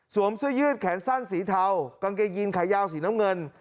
เสื้อยืดแขนสั้นสีเทากางเกงยีนขายาวสีน้ำเงิน